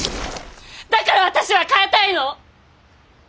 だから私は変えたいの！